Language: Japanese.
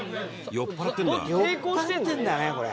酔っ払ってんだねこれ。